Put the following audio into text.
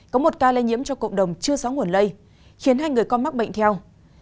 có một ca lây nhiễm cho cộng đồng chưa rõ nguồn lây khiến hai người con mắc bệnh theo